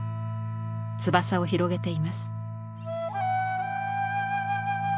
翼を広げています。